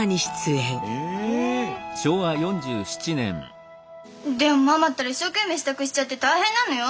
え⁉でもママったら一生懸命支度しちゃって大変なのよ。